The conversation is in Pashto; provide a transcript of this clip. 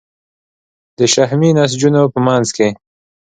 د شحمي نسجونو په منځ کې دي.